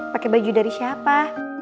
pake baju dari siapa